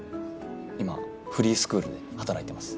今フリースクールで働いてます